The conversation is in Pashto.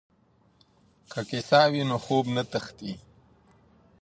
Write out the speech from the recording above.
که کیسه وي نو خوب نه تښتي.